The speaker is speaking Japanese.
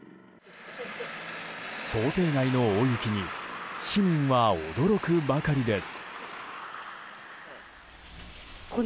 想定外の大雪に市民は驚くばかりです。